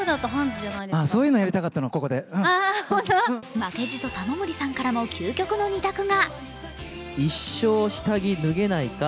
負けじと玉森さんからも究極の２択が。